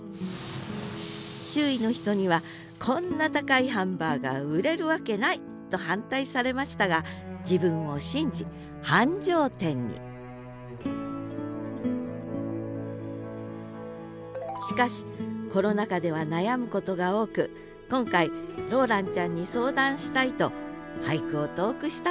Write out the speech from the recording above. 周囲の人には「こんな高いハンバーガー売れるわけない！」と反対されましたが自分を信じ繁盛店にしかしコロナ禍では悩むことが多く今回ローランちゃんに相談したいと俳句を投句したんだ